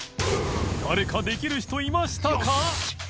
稈できる人いましたか？